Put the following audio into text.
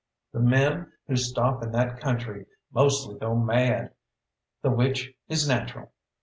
The men who stop in that country mostly go mad, the which is natural.